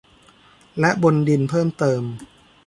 และบนดินเพิ่มเติม